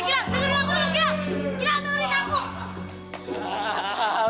gilang dengerin aku